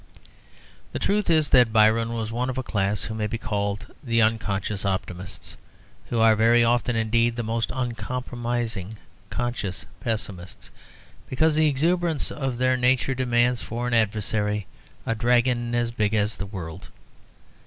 The truth is that Byron was one of a class who may be called the unconscious optimists, who are very often, indeed, the most uncompromising conscious pessimists, because the exuberance of their nature demands for an adversary a dragon as big as the world.